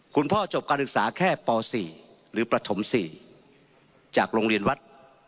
จบการศึกษาแค่ป๔หรือประถม๔จากโรงเรียนวัด